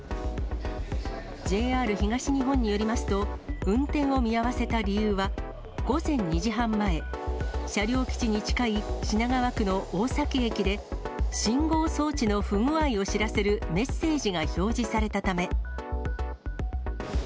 ＪＲ東日本によりますと、運転を見合わせた理由は、午前２時半前、車両基地に近い品川区の大崎駅で、信号装置の不具合を知らせるメッセージが表示されたため。